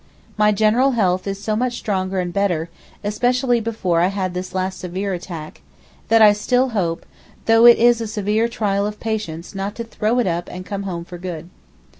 My general health is so much stronger and better—especially before I had this last severe attack—that I still hope, though it is a severe trial of patience not to throw it up and come home for good.